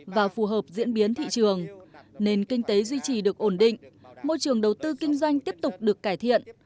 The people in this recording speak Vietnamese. và phù hợp diễn biến thị trường nền kinh tế duy trì được ổn định môi trường đầu tư kinh doanh tiếp tục được cải thiện